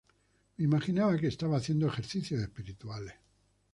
Me imaginaba que estaba haciendo ejercicios espirituales.